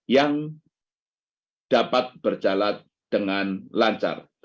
yang dapat berjalan dengan lancar